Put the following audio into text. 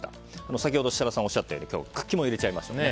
先ほど設楽さんがおっしゃったように茎も入れていきましょう。